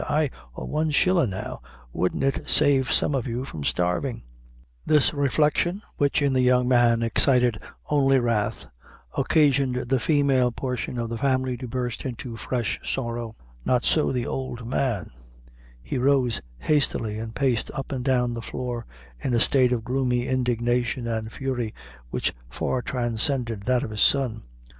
ay, or one shillin' now, wouldn't it save some of you from starving" This reflection, which in the young man excited only wrath, occasioned the female portion of the family to burst into fresh sorrow; not so the old man; he arose hastily, and paced up and down the floor in a state of gloomy indignation and fury which far transcended that of his son.